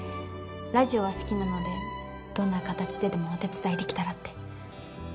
ラジオは好きなのでどんな形ででもお手伝いできたらって。